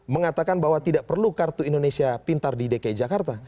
mengatakan bahwa tidak perlu kartu indonesia pintar di dki jakarta